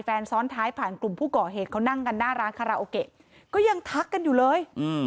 แฟนซ้อนท้ายผ่านกลุ่มผู้ก่อเหตุเขานั่งกันหน้าร้านคาราโอเกะก็ยังทักกันอยู่เลย